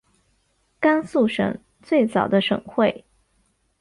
甘肃省最早的省会。